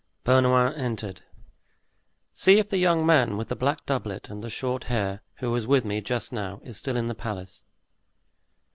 Bernouin entered. "See if the young man with the black doublet and the short hair, who was with me just now, is still in the palace."